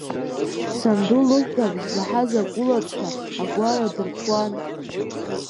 Санду лыҳәҳәабжь заҳаз агәылацәа агәара дырҭәуан.